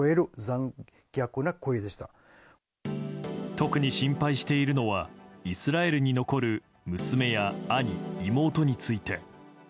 特に心配しているのはイスラエルに残る娘や兄、妹について。